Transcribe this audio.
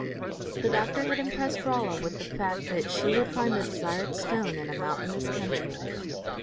The doctor had impressed Rolla with the fact that she would find the desired stone in a mountainous country.